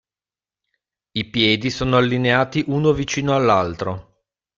I piedi sono allineati uno vicino all'altro.